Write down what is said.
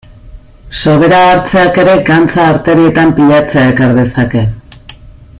Sobera hartzeak ere gantza arterietan pilatzea ekar dezake.